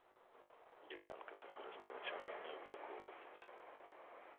Ділянка за користувачами не обліковується.